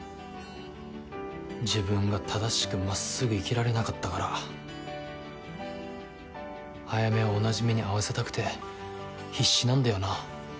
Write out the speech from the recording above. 自分が正しくまっすぐ生きられなかったから早梅を同じ目に遭わせたくて必死なんだよな